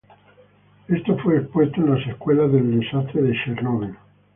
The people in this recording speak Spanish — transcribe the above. Esto fue expuesto en las secuelas del desastre de Chernóbil.